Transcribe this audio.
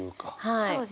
はい。